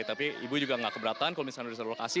tapi ibu juga gak keberatan kalau misalnya sudah direlokasi